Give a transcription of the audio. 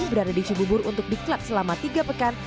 berada di cibubur untuk diklat selama tiga pekan